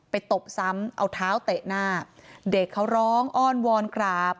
ตบซ้ำเอาเท้าเตะหน้าเด็กเขาร้องอ้อนวอนกราบ